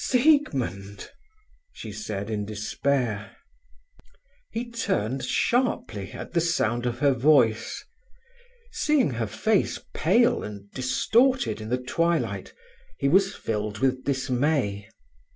"Siegmund!" she said in despair. He turned sharply at the sound of her voice. Seeing her face pale and distorted in the twilight, he was filled with dismay.